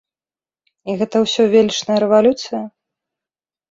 І гэта ўсё велічная рэвалюцыя?